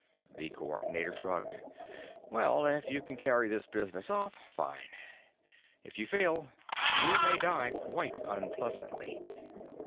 The Coordinator shrugged. "Well, if you can carry this business off fine. If you fail, you may die quite unpleasantly.